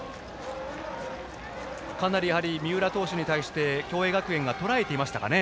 かなり三浦投手に対して共栄学園がとらえていましたかね。